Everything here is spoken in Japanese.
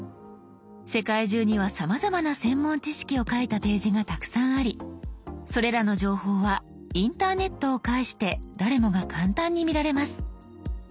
世界中にはさまざまな専門知識を書いたページがたくさんありそれらの情報はインターネットを介して誰もが簡単に見られます。